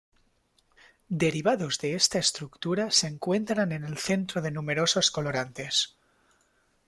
Derivados de esta estructura se encuentran en el centro de numerosos colorantes.